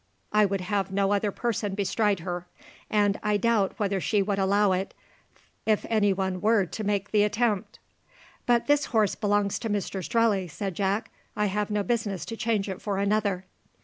I would have no other person bestride her; and I doubt whether she would allow it, if any one were to make the attempt." "But this horse belongs to Mr Strelley," said Jack; "I have no business to change it for another."